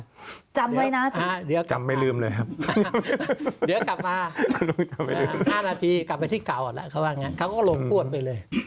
ถ้าจำไว้นะ๔๐๐๐จำไว้นะ๔๐๐๐จำไม่ลืมเลยครับเดี๋ยวกลับมา๕นาทีกลับไปที่เก่าแล้วเขาว่างั้นเขาก็หลงพูดไปเลย